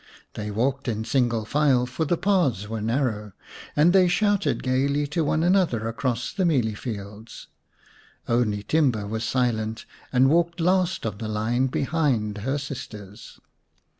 They walked in single file, for the paths were narrow, and they shouted gaily to one another across the mealie fields. Only Timba was silent and walked last of the line behind her sisters.